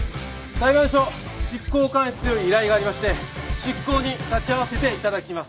裁判所執行官室より依頼がありまして執行に立ち会わせて頂きます。